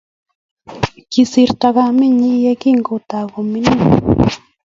Kisirto kamennyin ye ki ngotagomining'.